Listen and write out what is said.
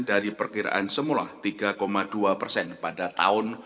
dari perkiraan semula tiga dua persen pada tahun dua ribu dua puluh